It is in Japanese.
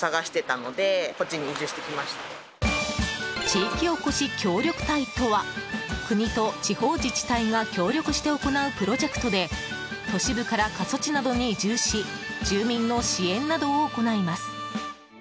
地域おこし協力隊とは国と地方自治体が協力して行うプロジェクトで都市部から過疎地などに移住し住民の支援などを行います。